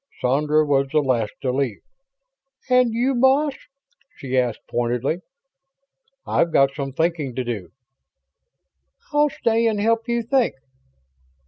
Sandra was the last to leave. "And you, boss?" she asked pointedly. "I've got some thinking to do." "I'll stay and help you think?"